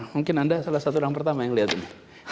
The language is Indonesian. mungkin anda salah satu orang pertama yang lihat ini